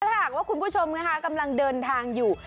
รักทั้งคุณผู้ชมกำลังเดินทางอยู่